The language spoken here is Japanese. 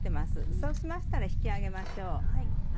そうしましたら引き上げましょう。